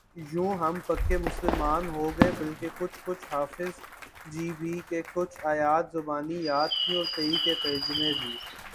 یوں ہم پکے مسلمان ہوگئے بلکہ کچھ کچھ حافظ جی بھی کہ کچھ آیات زبانی یاد تھیں اور کئی کے ترجمے بھی